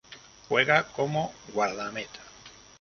Juega como guardameta.